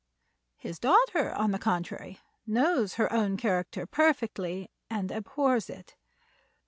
His daughter, on the contrary, knows her own character perfectly and abhors it.